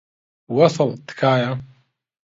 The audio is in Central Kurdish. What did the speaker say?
وەسڵ، تکایە.